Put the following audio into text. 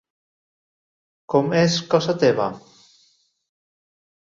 Com és cosa teva?